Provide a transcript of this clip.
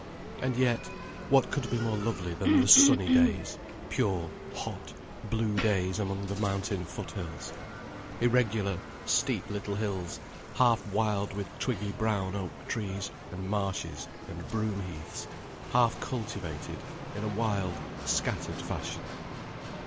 And yet, what could be more lovely than the sunny days: pure, hot, blue days among the mountain foothills: irregular, steep little hills half wild with twiggy brown oak trees and marshes and broom heaths, half cultivated, in a wild, scattered fashion.